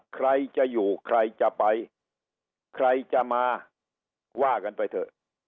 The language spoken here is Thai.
ใครจะอยู่ใครจะไปใครจะมาว่ากันไปเถอะ